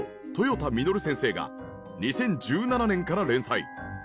田みのる先生が２０１７年から連載。